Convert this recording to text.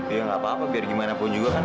ya nggak apa apa biar gimana pun juga kan